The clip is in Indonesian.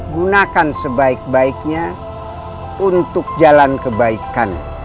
gunakan sebaik baiknya untuk jalan kebaikan